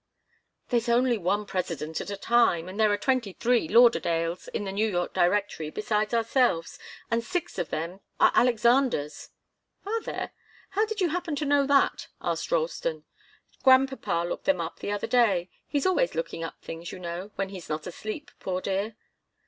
"There's only one President at a time, and there are twenty three Lauderdales in the New York directory besides ourselves, and six of them are Alexanders." "Are there? How did you happen to know that?" asked Ralston. "Grandpapa looked them up the other day. He's always looking up things, you know when he's not asleep, poor dear!"